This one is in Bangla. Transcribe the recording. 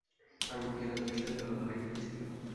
আর্মেনিয়া রাজ্যের সাথে তার লড়াই হয়েছিল।